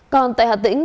còn tại hạ tĩnh